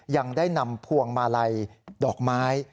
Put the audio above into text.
ยังได้นำพวงมาลัยดอกไม้